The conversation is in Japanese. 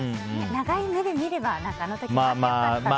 長い目で見ればあの時あって良かったとね。